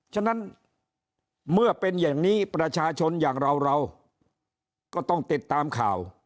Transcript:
ฉะนั้นเมื่อเป็นอย่างนี้ประชาชนอย่างเราเราก็ต้องติดตามข่าว